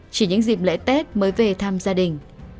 chỉ những dịp lễ tết mới về tham gia đến